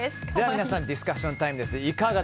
皆さんディスカッションタイム。